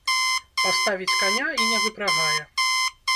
Паставіць каня і не выпрагае.